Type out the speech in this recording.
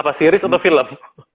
apa series atau film